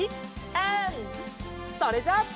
うん！それじゃあ。